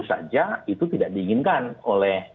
saja itu tidak diinginkan oleh